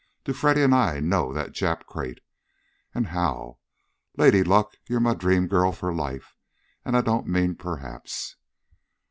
Do Freddy and I know that Jap crate, and how! Lady Luck, you're my dream girl for life, and I don't mean perhaps!"